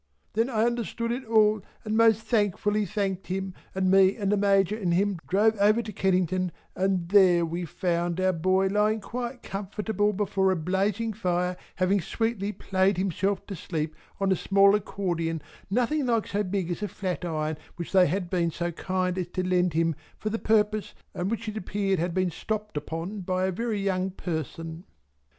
Then I understood it all and most thankfully thanked him, and me and the Major and him drove over to Kennington and there we found our boy lying quite comfortable before a blazing fire having sweetly played himself to sleep upon a small accordion nothing like so big as a flat iron which they had been so kind as to lend him for the purpose and which it appeared had been stopped upon a very young person.